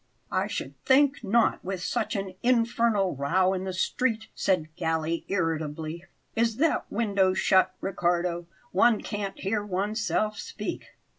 "I should think not, with such an infernal row in the street," said Galli, irritably. "Is that window shut, Riccardo? One can't hear one's self speak!"